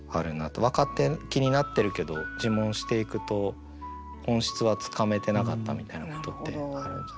分かってる気になってるけど自問していくと本質はつかめてなかったみたいなことって。